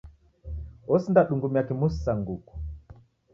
Osinda dungumia kimusi sa nguku.